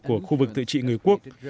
của khu vực tự trị người quốc